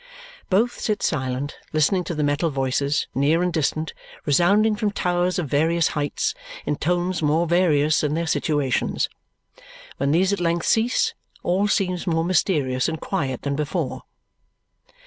Both sit silent, listening to the metal voices, near and distant, resounding from towers of various heights, in tones more various than their situations. When these at length cease, all seems more mysterious and quiet than before.